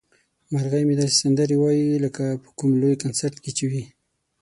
مرغۍ مې داسې سندرې وايي لکه په کوم لوی کنسرت کې چې وي.